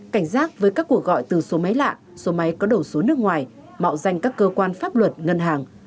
cảnh giác với các cuộc gọi từ số máy lạ số máy có đầu số nước ngoài mạo danh các cơ quan pháp luật ngân hàng